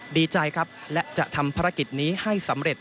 ดีใจครับและจะทำภารกิจนี้ให้สำเร็จ